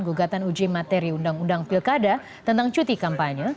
gugatan uji materi undang undang pilkada tentang cuti kampanye